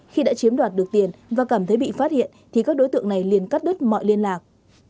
khi đã chiếm đoạt được tiền và cảm thấy bị phát hiện thì các đối tượng này liền cắt đứt mọi liên lạc